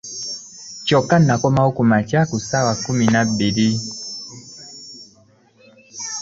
Kyokka n'akomawo ku makya ku ssaawa kkumi na bbiri